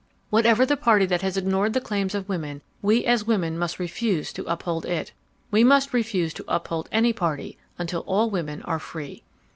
"'Whatever the party that has ignored the claims of women we as women must refuse to uphold it. We must refuse to uphold any party until all women are free.